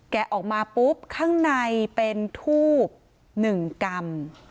แกะออกมาปุ๊บข้างในเป็นทูบ๑กรัม